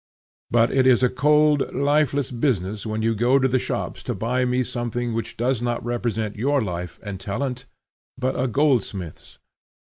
But it is a cold lifeless business when you go to the shops to buy me something which does not represent your life and talent, but a goldsmith's.